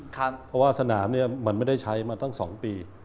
เพราะว่าสนามเนี่ยมันไม่ได้ใช้มาตั้ง๒ปี